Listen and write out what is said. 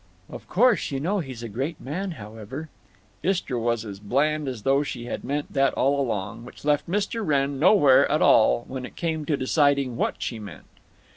"Of course you know he's a great man, however?" Istra was as bland as though she had meant that all along, which left Mr. Wrenn nowhere at all when it came to deciding what she meant.